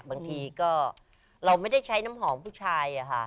บางทีก็เราไม่ได้ใช้น้ำหอมผู้ชายอะค่ะ